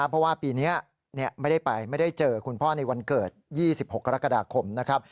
เพราะว่าปีนี้ไม่ได้ไปไม่ได้เจอคุณพ่อในวันเกิด๒๖กรกฎาคมนะครับ